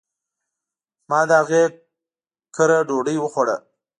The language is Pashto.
ما د هغي کره ډوډي وخوړه .